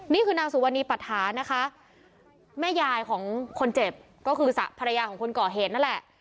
นี่คือนางสุวรรณีปัทธานะคะแม่ยายของคนเจ็บก็คือภรรยาของคนก่อเหตุนั่นแหละ